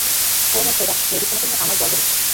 ওহ, মোর খোদা, মেভিস, তোমাকে নিয়ে আমার গর্ব হচ্ছে।